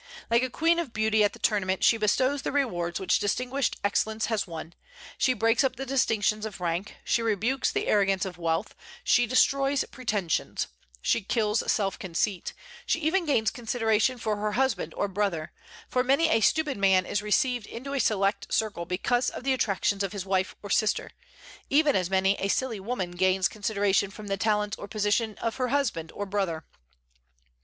Like a queen of beauty at the tournament, she bestows the rewards which distinguished excellence has won; she breaks up the distinctions of rank; she rebukes the arrogance of wealth; she destroys pretensions; she kills self conceit; she even gains consideration for her husband or brother, for many a stupid man is received into a select circle because of the attractions of his wife or sister, even as many a silly woman gains consideration from the talents or position of her husband or brother.